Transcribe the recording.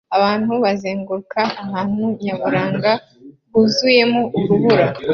Abantu bazenguruka ahantu nyaburanga huzuyemo urubura